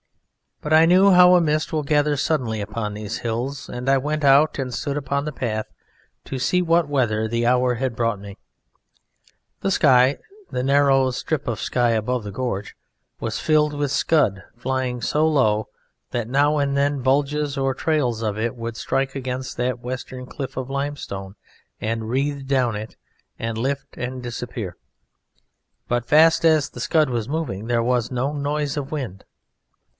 But I knew how a mist will gather suddenly upon these hills, and I went out and stood upon the path to see what weather the hour had brought me. The sky, the narrow strip of sky above the gorge, was filled with scud flying so low that now and then bulges or trails of it would strike against that western cliff of limestone and wreath down it, and lift and disappear, but fast as the scud was moving there was no noise of wind.